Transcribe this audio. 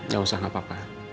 gak usah apa apa